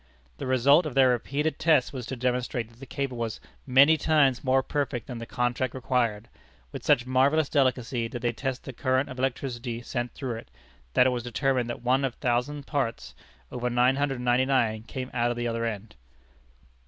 The result of their repeated tests was to demonstrate that the cable was many times more perfect than the contract required. With such marvellous delicacy did they test the current of electricity sent through it, that it was determined that of one thousand parts, over nine hundred and ninety nine came out at the other end!